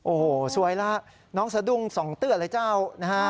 โอ้โหสวยแล้วน้องสะดุ้งส่องเตื้อเลยเจ้านะฮะ